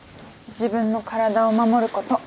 自分の体を守ること。